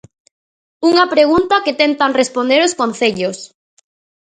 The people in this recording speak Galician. Unha pregunta que tentan responder os concellos.